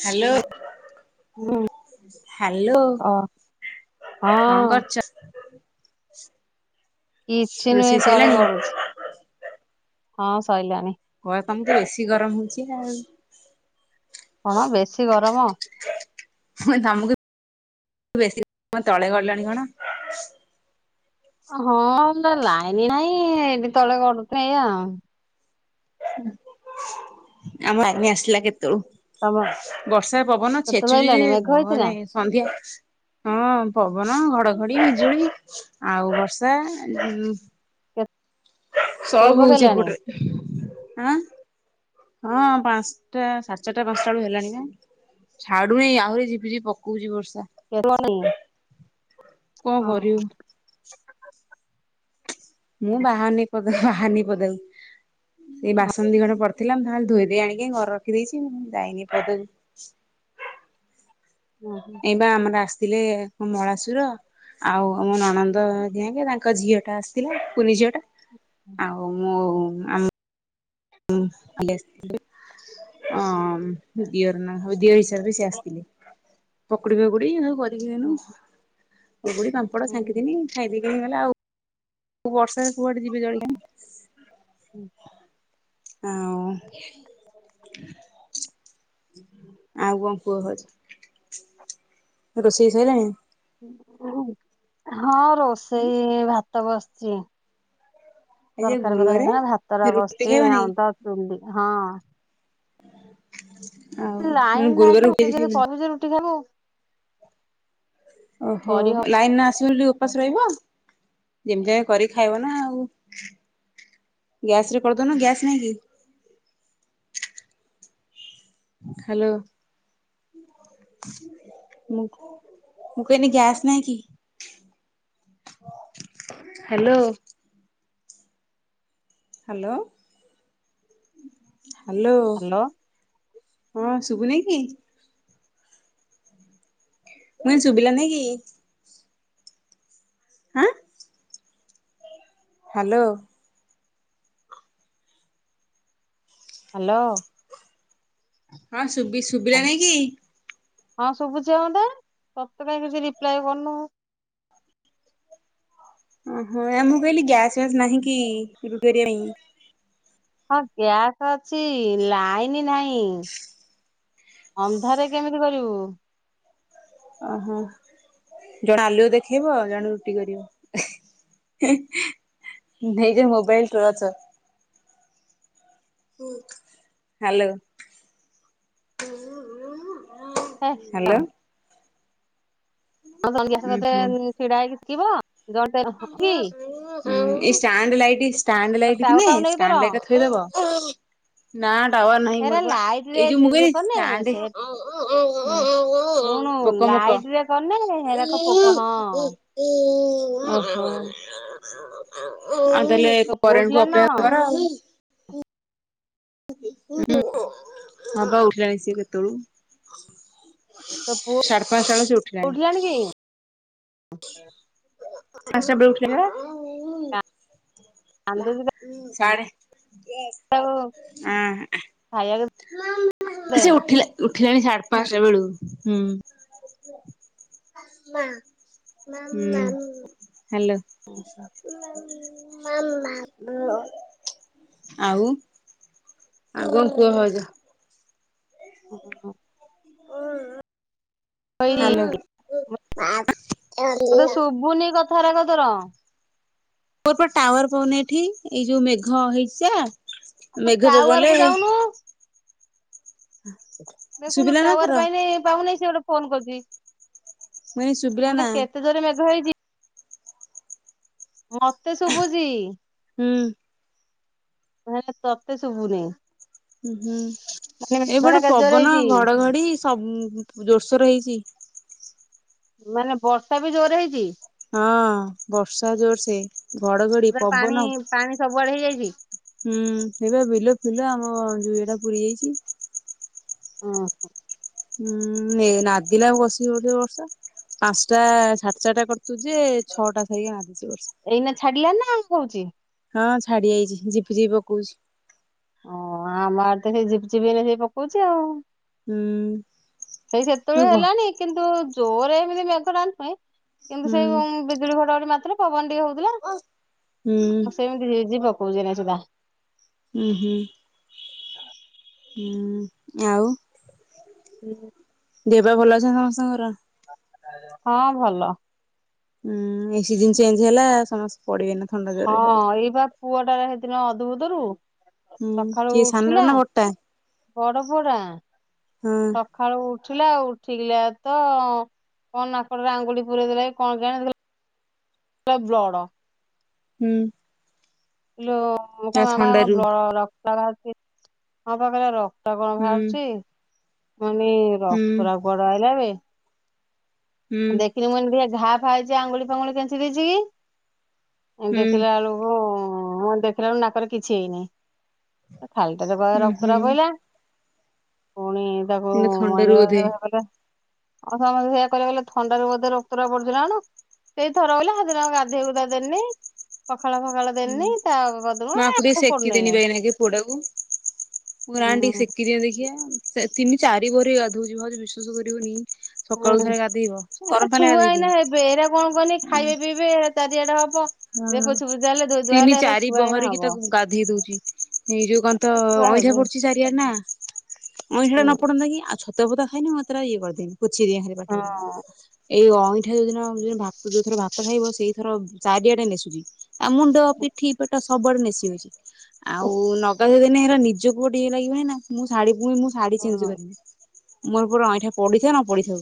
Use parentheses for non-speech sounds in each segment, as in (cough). Hello. ହୁଁ hello. ଅ କଣ ହଁ କରୁଛ? କିଛି ନୁହେଁ ରୋଷେଇ ତଳେ ସଇଲାଣି? ଗଡୁଛି। ହଁ ସଇଲାଣି। ୱ ତମକୁ ବେଶୀ ଗରମ ହଉଛି ଆଉ। କଣ ବେଶୀ ଗରମ? ତମକୁ ବେଶୀ ଗରମ ତଳେ ଗଡିଲାଣି କଣ? ହଁ ଲାଇନ ନାଇଁ ଏଠି ତଳେ ଗଡୁଥାଇ ଆଉ। ଆମ ଲାଇନି ଆସିଲା କେତେ ତମ ବର୍ଷା ପବନ କେତେବେଳୁ ଆଇଲାଣି ଛେଚୁଚିଯେ ମେଘ ହେଇଛି ନା କହନାଇ ସନ୍ଧ୍ୟା ହଁ। ହଁ ପବନ ଘଡଘଡି ବିଜୁଳି ଆଉ ବର୍ଷା। ସବ କେତେବେଳୁ ହଉଛି ପକେଇଲାଣି ଏପଟରେ। ଆଁ। ହଁ ପାଞ୍ଚଟା ସାଢ଼େ ଚାରଟା ପାଞ୍ଚଟା ବେଳୁ ହେଲାଣି ନା। ଛାଡୁନି ଆହୁରି ଝିପି ଝିପି ପକଉଛି ବର୍ଷା। କେ (unintelligible) କଣ କରିବୁ? ମୁଁ ବାହାର୍ଣି ପଦାକୁ ବହାର୍ଣି ପଦାକୁ ଏ ବାସନ ଦିଖଣ୍ଡ ପଡ଼ି ଥିଲା ତାହେଲେ ଧୋଇ ଦେଇେଇ ଆଣିକି ଘର ରଖି ଦେଇଛି ମୁଁ ଯାଇନି ପଦ ଏଇ ବା ଆମର ଆସିଥିଲେ ମଳାସୁର ଆଉ ମ ନଣନ୍ଦ ଯିକେ ତା ତାଙ୍କ ଝିଅ ଟା ଆସିଥିଲା କୁନି ଝିଅ ଟା ଆଉ ମୁଁ ଆମ ହଁ ହଁ (unintelligible) ଦିଅର ନାଁ ଆଉ ଦିଅର ହିସାବରେ ସେ ଆସିଥିଲେ ପକୁଡି ଫକୁଡି ନୁ (unintelligible) ପକୁଡ଼ି ପାମ୍ପଡ ସାଙ୍କି ଦେଲି ଖାଇଦି କି ଗଲା ଆଉ। ବର୍ଷାରେ କୁଆଡେ ଯିବି ଜଳିଖିଆ ଆଉଁ ଆଉ କଣ କୁହ ହୋଉଛି ରୋଷେଇ ସଇଲାଣି। ହଁ ରୋଷେଇ ଭାତ ବସିଛି। ଆଜି ବା ତରକାରୀ ପତ ଗୁରୁବାରେ ଭାତ ଟା ରୁଟି ବସିଛି ଖାଇବନି କି ଆଉ ତ ଚୁଲି ହଁ। ଆଉ ଲାଇନ ନାହିଁ ରୁଟି କେମିତି (unintelligible) କରିବୁ ଯେ ରୁଟି ଖାଇବୁ ଓହୋ କରିହବ ଲାଇନ ନାସ ଉପାସ ରହିବ ଯେମିତି ଆ କରି ଖାଇବ ନା ଆଉ ଗ୍ୟାସ ରେ କରିଦଉନୁ ଗ୍ୟାସ ନାଇଁ କି? ହ୍ୟାଲୋ। ମୁ ମୁଁ କଇଏନି ଗ୍ୟାସ ନାଇଁକି? ହ୍ୟାଲୋ। ହ୍ୟାଲୋ। ହ୍ୟାଲୋ ହ୍ୟାଲୋ ହଁ ଶୁଭୁନି କି? ମୁଁ ଚୁବିଲା ନି କି? ହାଁ। ହ୍ୟାଲୋ। ହ୍ୟାଲୋ। ହଁ ଶୁବି ଶୁଵିଲାନି କି? ହଁ ଶୁଭୁଛି ପା ମତେ ତତେ କାଇଁ କିଛି ରିପ୍ଲାଇ କରୁନୁ। ଉଁହୁଁ ମୁଁ କହିଲି ଗ୍ୟାସ ଫ୍ୟାସ ନାହିଁ କି ରୁ କରିବା ପାଇଁ? ହଁ ଗ୍ୟାସ ଅଛି ଲାଇନ ନାହିଁ ଅନ୍ଧାରେ କେମିତି କରିବୁ। ଓହୋ। ଜଣେ ଆଲୁଅ ଦେଖେଇବ ଆଉ ଜଣେ ରୁଟି କରିବ। (unintelligible) Mobile torch hello. ହ୍ୟାଲୋ (inaudible) ହଁ ତମେ ଗ୍ୟାସ ଉଁ ହୁଁ। କତିରେ ଛିଡା ହେଇକି ଶଖିବ? ହୁଁ ଏ ଷ୍ଟାଣ୍ଡ ଲାଇଟ ଷ୍ଟାଣ୍ଡ ତୋର ଲାଇଟି ଟାୱାର ଥିଲେ ପାଉନି କି ତୋର ଷ୍ଟାଣ୍ଡ ଲାଇଟି ରେ ଖେଳିବ। ନା ଟାୱାର ନାହିଁ ହେରା ମୋର ପା ଲାଇଟ ରେ ଏଇ ଯୋଉ ଇଏ କନେ ଷ୍ଟାଣ୍ଡ ସେ ଶୁଣୁ ଲାଇଟ ରେ କଲେ ହେରାକ ପୋକ ହଁ। ଓହୋ। ଆଉ ତାହେଲେ ତୋ ପୁଅ କରେଣ୍ଡ କୁ ଉଠିଲାଣି ନା କଣ ଅପେକ୍ଷା କର ଆଉ ହଁ ବା ଉଠିଲାଣି ସେ କେତେଳୁ। ତୋ ପୁଅ ସାଢ଼େ ପାଞ୍ଚଷ୍ଟା ବେଳୁ ସେ ଉଠିଲାଣି। ଆ ସୁବେ ଉଠିଗଲା ବା କାନ୍ଦୁଚି ସାଡେ ଉଁ ତାକୁ ଖାଇବାକୁ ହୁଁ ଦେ ସେ ଉଠିଲା ଠିଲିଣି ସାଢ଼େ ପାଞ୍ଚଟା ବେଳୁ ହୁଁ। ହୁଁ ହ୍ୟାଲୋ। ଆଉ ଆଉ କଣ କୁହ ଭାଉଜ। ଉଁ ହୁଁ ହୁଁ। ଉଁ ଉଁ। ତ ଇଏ ତେ ଶୁବୁନି କ ଥର କ ତୁ ରହ। ମୋର ପା ଟାୱାର ପାଉନି ଏଠି ଏଇ ଯୋଉ ମେଘ ହେଇଛି ଯାହା ମେଘ ଟାୱାର ପକେଇଲେ କୁ ଯାଉନୁ। ଦେଖୁନୁ ଟାୱାର ଏଥର ପାଇଁ ମୁଁ ପାଇନି ପାଉନି ସେ ଗୋଟେ ଫୋନ କରିଦେଇଚି। କହିଲି ଶୁଭିଲା ନା ମାନେ କେତେ ଜୋର ମେଘ ହେଇଚି? ମତେ ଶୁଭୁଛି ହୁଁ ତତେ ଶୁଭୁନି। ହ ହୁଁ। ମାନେ ମେଘଟା ଏପଟେ କେତେ ଜୋରେ ପବନ ହେଇଛି ଘଡଘଡି ସବ ଜୋରସୋର ହେଇଚି। ମାନେ ବର୍ଷା ବି ଜୋର ହେଇଚି। ହଁ ବର୍ଷା ଜୋର ସେ ଘଡଘଡି ପୁରା ପାଣି ପବନ ପାଣି ସବୁଆଡେ ହେଇଯାଇଛି ହୁଁ ଏବେ ବିଲ ଫିଲ ଆମ ଯଟା ପୁରି ଯାଇଛି। ଓ ହୋ। ହୁଁ ନାଦିଲା ଆ ବସିବି ଗୋଟେ ବର୍ଷ ପାଞ୍ଚଟା ସାଢ଼େ ଚାରିଟା କରି ତୁ ଯେ ଛଅଟା ଏଇନା ଛାଡିଲାଣି ନା ହଉଛି। (unintelligible) ଛାଡି ଯାଇଚି ଝିପି ଝିପି ପକୋଉଚି। ଓ ଆମ ତ ଆଡେ ବି ସେଇ ପକଉଚି (unintelligible) ହୁଁ ସେଇ ସେତେବେଳେ ଘ ହେଲାନି କିନ୍ତୁ ଜୋରେ ଏମିତି ମେଘ ଢାଳିନି କିନ୍ତୁ ସେଇ ହୁଁ। ବିଜୁଳି ଘଡଘଡି ମାରୁଥିବ ପବନ ହୋଉଥିଲା ହୁଁ ଆଉ ସେମିତି ଯିବ କହୁ ନାଇ ସିଧା ହୁଁ ହୁଁ ହୁଁ ଆଉ ହୁଁ। ଦେହ ପା ଭଲ ଅଛ ସମସ୍ତଙ୍କର? ହଁ ଭଲ। ଉଁ ଏସିଯିନି ଚେଞ୍ଜ ହେଲା ସମସ୍ତ ହଁ ଏଇ ବା ପୁଅଟାରେ ହେଇଦିନ ଅଦ୍ଭୁତରୁ ହୁଁ ସକାଳୁ କିଏ ସାନଟା ଉଠିଲା ନା ବଡଟା? ବଡ ପୁଆଟା। ହଁ ସକାଳୁ ଉଠ ଉଠିଲା ଆଉ ଉଠିକିଲା ତ କଣ ନାକରେ ଆଙ୍ଗୁଳି ପୁରାଇ ଦେଲାକି କଣ କେଆଣି ପୁରା ବ୍ଲଡ଼ ହୁଁ। (unintelligible) ଏ ରକ୍ତ ଥଣ୍ଡାରୁ ବାହାରୁଚି (unintelligible) ର ଟା ହୁଁ କଣ ବାହାରୁଚି। ମାନେ ହୁଁ ରକ୍ତ ଗୁଡା ଆଇଲେ। ହୁଁ ଦେଖିନି ମୁଁ (unintelligible) ଘା ଫା ହେଇଛି ଆଙ୍ଗୁଳି ଫାଙ୍ଗୁଳି କେଞ୍ଚି ଦେଇଛି କି। ହୁଁ। ଦେଖିଲା ବେଳକୁ ଦେଖିଲା ବେଳକୁ ନାକରେ କିଛି ହେଇନି। ଖାଲଟାରେ ବହେ ଉୁଁ ରକ୍ତ ରା ହୁଁ ପଇଲା। ପୁଣି ତାକୁ ଏଇନା ମାନଲେ ଥଣ୍ଡାରୁ ଆଉ ବୋଧେ ସମସ୍ତେ (unintelligible) ଥଣ୍ଡାରେ ବୋଧେ ରକ୍ତ ରା ପଡୁଚି ନା କଣ ସେଇ ଥର ରହିଲା ହା ଗାଧୋଇୁଧା ଦେନି (unintelligible) ହୁଁ ଦେନି ତା (unintelligible) ମୁଁ ଆକୁ ଟିକେ ଆଉ ପଡୁନେଇ ସେକିଦେନି କାଇ। ବା ଏଇନାକେ ପୁଅଟାକୁ। ମୁଁ ରାଣ ଟିକେ (unintelligible) ତିନି ଚାରି ପରି ଗାଧଉଛି ଭାଉଜ ବିଶ୍ୱାସ କରିବନି। ହୁଁ ସକାଳୁ ଥରେ ଗାଧେଇବ ଗରମ ପାଣିରେ ଛୁଆ ଗାଧେଇଦିଏ। ଏଇନା ହେବେ ଏଇରା କଣ କରନି ଖାଇବେ ପିଇବେ ଚା (unintelligible) ହଁ ତିନି ଚାରି ଛୁଆ ଏଇନା ବହରିକି ହବ ତାକୁ ଗାଧେଇ ଦଉ ଏଇ ଯୋଉ କଣ ତ ଏରା ଛୁଆ ଅଇଁଠା ହେବେ ପଡୁଚି ଚାରିଆଡ ନା ଅଇଁଠି ଟା ହୁଁ। ନ ପଡନ୍ତା କି ଆଉ ଛତ ପୀତ ପୋତା ଖାଇନି ମୁଁ (unintelligible) ପୋଛି ଦିଏ ପାଟି ଗୁରା ହଁ (unintelligible) ଏଇ ପିଠା ଯୋଉ ଦିନ ଭ ଯୋଉ ଥର ଭାତ ଖାଇବ ସେଇ ଥର ଚାରିଆଡେ ନେସୁଚି ଆଉ ମୁଣ୍ଡ ପିଠି ପେ ସବୁଡେ ମିଶି ଆଉ ନଗ ଦିନେ ହେଲା ନିଜକୁ ଲାଗିବ ମୁଁ ଶାଢ ପୁଣି ମୁଁ ଶାଢ଼ୀ ଚେଞ୍ଜ ହଁ। କରିନି ମୋର ପ ଅଇଠା ପଡିଥାଉ ନ ପଢିଥାଉ।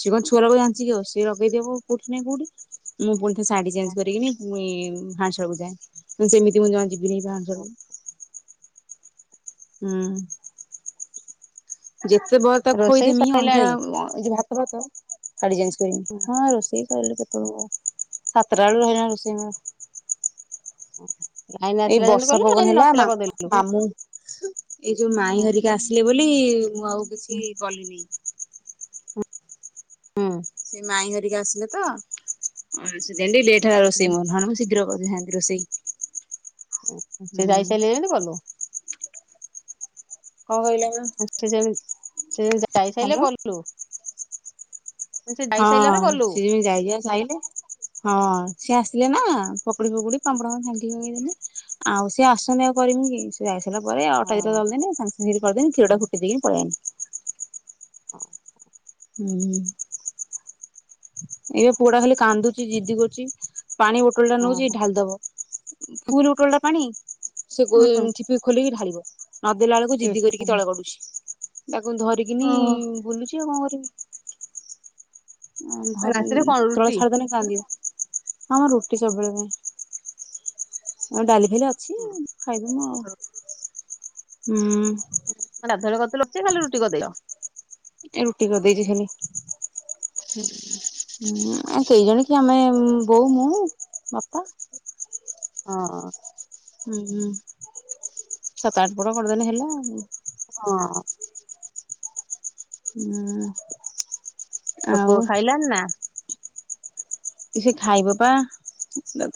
ସି କଣ ଛୁଆକୁ ଜଣିଚିକି ଆଉ ସେ ଲଗେଇଦ ଦେବ କୋଉଠିାଇ କୋଉଠିଁ ପୁଣି ଥ ଶାଢୀ କରିକିନି ପୁଣି ହାଣ୍ଡିଶାଳକୁ ଯାଏୁ ସେମିତି ମୁଁ ଜମା ଯିବିନି ହାଣ୍ଡିଶାଳକୁ। ହୁଁ ଯେତେ ବ ତା ରୋଷେଇ ଖୋଇଦମି ଅଇଁଠା ସଇଲାଣି ଭ (unintelligible) ହଁ ରୋଷେଇ କହିଲୁ କେତେବେ ସାତଟା ବେଳ ରହିଲ ରୋଷେଇ ଓ। ଏଇ ବର୍ଷା ପବନ ହେଲା ମାମୁଁ ମାମୁଁ ଏଇ ଯୋଉ ମାଇଁ ହୁଁ। ଧରିକି ଆସିଲେ ବୋଲି ମୁଁ ଆଉ କିଛି କଲିନି। ହୁଁ। ସେ ମାଇଁ ହାରିକା ଆସିଲେ ତ ସେ ଲାଗି ଟିକେ ଲେଟ୍ ହେଲା ରୋଷେଇ ମୋର, ନହେଲେ ମୁଁ ଶୀଘ୍ର କରିଦେଇଥାନ୍ତି ରୋଷେଇ। ସେ ହୁଁ। ଯାଇସାରିଲେ ଯେମିତି କଲୁ? କଣ କହିଲ ସେ ଯେମି ସେ ଯାଇସାରିଲେ କଲୁ। ସେ ହଁ ଯାଇସାରିଲା ପରେ କଲୁ। ସିଏ ଯେମିତି ଯାଇଯୁଆ ସାଇଲେ, ହଁ ସିଏ ଆସିଲେ ନା। ପକୁଡ଼ି ଫକୁଡ଼ି ପାମ୍ପଡା ଫାମ୍ପଡ ଛାଙ୍କିଫାଙ୍କି ଦେଲୁ। ଆଉ ସେ ଆସୁନି ଆଉ କରବୁ କି ସେ ଯାଇ ସା ରିଲା ପରେ ଆଉ ଅଟା ଦିଟା ହଁ ଦଳିଦେଲି ସାଙ୍ଗେ ସାଙ୍ଗେ କରିଦେଲି କ୍ଷୀର ଟା ଫୁଟିଇ ଦେଇକି ପଳେଇଆସିଲି। ହଁ ହୁଁ ଏବେ ପୁଅ ଟା ଖାଲି କାନ୍ଦୁଚି ଜିଦି କରୁଛି ପାଣି ବୋଟଲ ଟା ନଉଛି ହଁ ଢାଲି ଦବ। ଫୁଲ ବୋଟଲ ଟା ପାଣି ସେ ଗୋ ହୁଁ ଠିପି ଖୋଲିକି ଢାଳିବ। ନଦେଲା ବେଳକୁ ଜିଦ୍ଦି ଏସ କରିକି ତଳେ ଗଡୁଛି। ତାକୁ ଧରିକିନି ଓହୋ ବୁଲୁଛି ଆଉ କଣ କରିବି। ଭଲ ରାତିରେ କଣ ତଳ ରୁଟି? ଛାଡିଦେନେ କାନ୍ଦିବ। ଆମର ରୁଟି ସବୁବେଳ ପାଇଁ। ଡାଲି ଫାଲି ଅଛି ହୁଁ, ଖାଇଦବୁ ଆଉ। ରୁଟି। ହୁଁ। (unintelligible) ଖାଲି ରୁଟି କରିଦେଇଚ। ରୁଟି କରିଦେଇଛି ଖାଲି। (inaudible) ଉଁ କେଇଜଣି କି ଆମେ ବୋଉ ମୁଁ ଅପା। ହଁ। ହୁଁ ହୁଁ ସାତ ଆଠ ପଟ କରିଦେଲେ ହେଲା। ହଁ। ହୁଁ। ତ ପୁଅ ଆଉ ଖାଇଲାଣି ନା? ଏ ସେ ଖାଇବ ପା।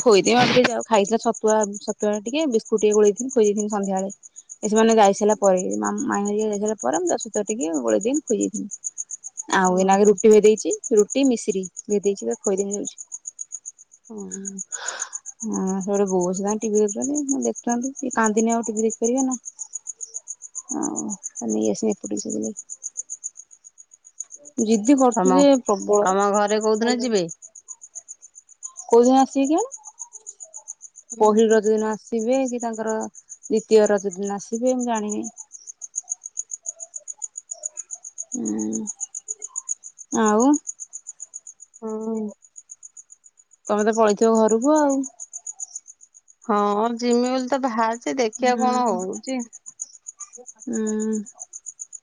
ଖୋଇଦେବି ଆଉ ଟିକେ ଯାଉ ଖାଇଥିଲା ଛତୁଆ ଛତୁଆ ଟିକେ ବିସ୍କୁଟ ଟିକେ ଗୋଳେଇଥିଲି ଖୋଇ ଦେଇଥିଲି ସନ୍ଧ୍ୟାବେଳେ। ଏ ସେମାନେ ଯାଇ ସାରିଲା ପରେ। ମା ମାଇଁ ହେରିକା ଯାଇସାରିଲା ପରେ ମୁଁ ସେତେବେଳେ ଟିକେ ଗୋଳିଇ ଦେଇକି ଖୋଇଦେଇଥିଲି। ଆଉ ହୁଁ ଏନାଗେ ହୁଁ ରୁଟି ଭେଦେଇଛି ରୁଟି ମିଶିରି ଭିଦେଇଚି ତାକୁ ଖୋଇଦେବି ଯାଉଚି। ହୁଁ। ହଁ ସେପଟେ ବୋଉ ଟିଭି ଦେଖୁଛନ୍ତି ଦେଖୁଥାନ୍ତି କାନ୍ଦିନି ଆଉ ଟିଭି ଦେଖ। (unintelligible) ଜିଦି ତମ କରୁଚି ଯେ ତମ ଘରେ କୋଉଦିନ ପ୍ରବଳ। ଯିବେ? କୋଉଦିନ ଆସିିବେ କେଜାଣି। ପହିଲି ରଜ ଦିନ ଆସ ଥିବେ କି ତାଙ୍କର ଦ୍ଵିତୀୟ ରଜ ଦିନ ଆସିବେ ମୁଁ ଜାଣିନି। ହୁଁ ଆଉ ହଁ। ତମେ ତ ପଳେଇଥିବ ଘରକୁ ଆଉ। ହଁ ଜିମି ବୋଲି ତ ବାହାରିଚ ଦେଖିବା ହୁଁ କଣ ହଉଚି। ହୁଁ।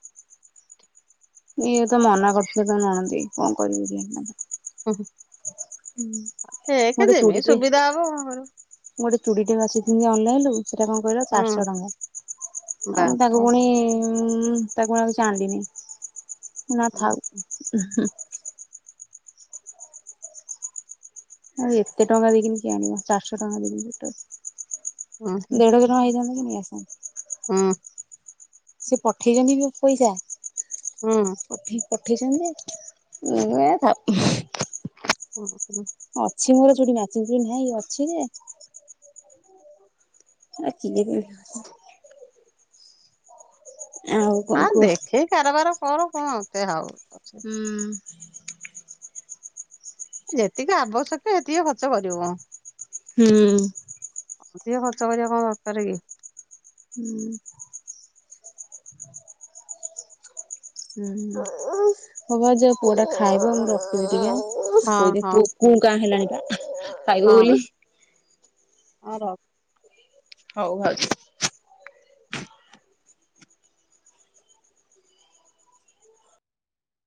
ଇଏ ତ ମନା କରୁଥିଲେ ତମ ନଣନ୍ଦେଇ କଣ କରିବି କେଜାଣି। (inaudible) ହୁଁ। ଦେଖ ଯେମିତି ସୁବିଧା ହବ କରିବୁ। ଗୋଟେ ଚୁଡ଼ି ଟେ ବାଛିଥିଲି ଅନଲାଇନରୁୁ ସେଟା କଣ କହିଲ? ଚାରିଶହ ହୁଁ ଟଙ୍କା, ଆଉ ତାକୁ ବାପ ପୁଣି। ମଁ ତାକୁ (unintelligible) କିଣିବାକୁ ଚାହାନ୍ତିନି ନା ହୁଁ ଥାଉ ହୁ ଉ ଆ ଏତେ ଟଙ୍କା ଦେଇକିନ କି ଆଣିବ ଚାରିଶହ ଟଙ୍କା ଦେଇକିନି ହୁଁ ଛଟ ହୁଁ ଦେଢ ଦିନ (unintelligible) ହେଇଯନ୍ତ କି ନେଇ ଆସନ୍ତେ (unintelligible) ହୁଁ। ସେ ପଠେଇଛନ୍ତି କି ପଇସା ହୁଁ। ପଠେଇ ପଠେଇଛନ୍ତି? (unintelligible) ହ ହ (inaudible) (unintelligible) ଚ ନାଚାଇ ଅଛି ଯେ (unintelligible) ଆଖି ଜ ବି (unintelligible) କଣ ହଁ କୁହ? ଦେଖେଇ କାରବାର କର କଣତେ ହଉ ହୁଁ। ଯେତିକି ଆବଶ୍ୟକ ସେତିକି ଖର୍ଚ୍ଚ କରିବ। ହୁଁ। ଅଧିକ ଖର୍ଚ୍ଚ କରିବା କଣ ଦରକାର କି? ହୁଁ (inaudible) ହୁଁ ହବ ଆ ଯୋଉ ପୁଅ ଟା ଖାଇବ ମୁଁ ରଖୁଛି ଟିକେ। ହଁ ଖୋଇଦେ ହଁ କୁ କାଁ ହେଲାଣି ପା ଖାଇବ ବୋଲି। ଆ ରଖ୍। ହଉ ଭାଉଜ।